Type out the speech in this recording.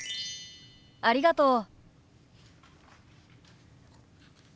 ありがとう。